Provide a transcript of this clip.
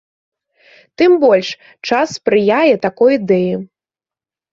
Тым больш, час спрыяе такой ідэі.